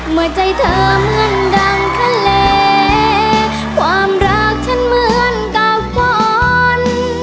เมื่อใจเธอเหมือนดังทะเลความรักฉันเหมือนกับฝน